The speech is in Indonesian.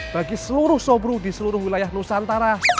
bagi seluruh sobru di seluruh wilayah nusantara